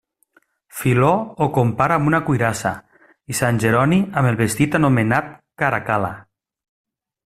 Filó ho compara amb una cuirassa i sant Jeroni amb el vestit anomenat caracal·la.